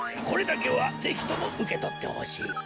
これだけはぜひともうけとってほしい。